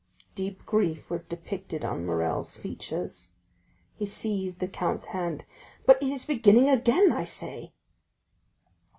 Deep grief was depicted on Morrel's features; he seized Monte Cristo's hand. "But it is beginning again, I say!"